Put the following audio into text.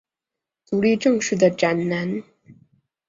足利政氏的长男。